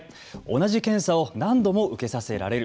同じ検査を何度も受けさせられる。